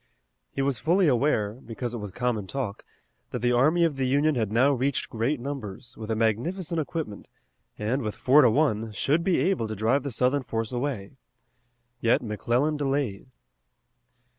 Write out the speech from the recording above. He was fully aware, because it was common talk, that the army of the Union had now reached great numbers, with a magnificent equipment, and, with four to one, should be able to drive the Southern force away. Yet McClellan delayed.